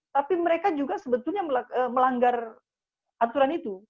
tapi mereka juga sebetulnya melanggar aturan itu